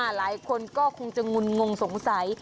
หลายคนก็คงจะงุนงงสงสัย